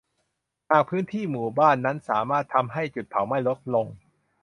หากพื้นที่หมู่บ้านนั้นสามารถทำให้จุดเผาไหม้ลดลง